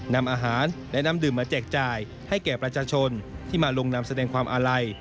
นำอาหารและน้ำดื่มมาแจกจ่ายให้แก่ประชาชนที่มาลงนำแสดงความอาลัย